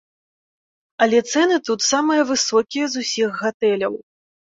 Але цэны тут самыя высокія з усіх гатэляў.